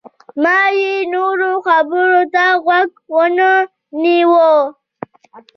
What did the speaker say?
ما یې نورو خبرو ته غوږ ونه نیوه.